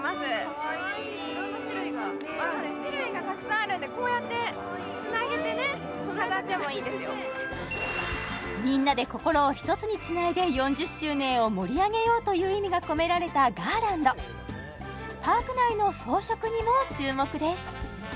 かわいいいろんな種類がある種類がたくさんあるのでこうやってみんなで心をひとつにつないで４０周年を盛り上げようという意味が込められたガーランドパーク内の装飾にも注目です